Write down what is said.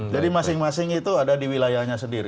masing masing itu ada di wilayahnya sendiri